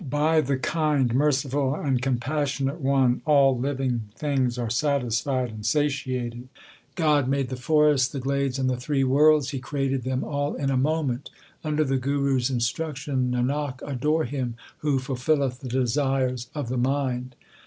By the kind, merciful, and compassionate One all living things are satisfied and satiated. God made the forests, the glades, and the three worlds : He created them all in a moment. Under the Guru s instruction, Nanak, adore Him who fulfilleth the desires of the mind.